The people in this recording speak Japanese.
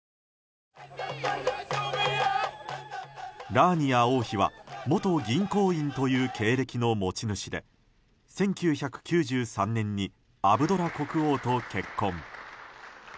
ラーニア王妃は元銀行員という経歴の持ち主で１９９３年にアブドラ国王と結婚。